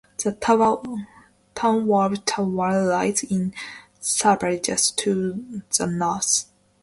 The town of Tawau lies in Sabah just to the north.